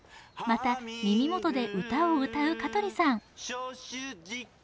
また耳元で歌を歌う香取さん。